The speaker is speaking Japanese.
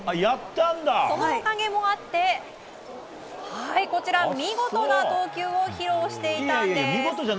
そのおかげもあって見事な投球を披露していたんです。